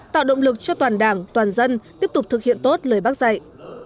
tạo động lực cho toàn đảng toàn dân tiếp tục thực hiện tốt lời bác dạy